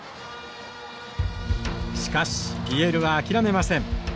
しかしＰＬは諦めません。